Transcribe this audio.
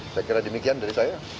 saya kira demikian dari saya